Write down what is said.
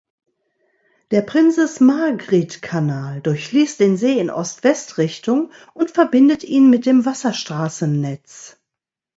Der Prinses-Margriet-Kanal durchfließt den See in Ost-West-Richtung und verbindet ihn mit dem Wasserstraßennetz.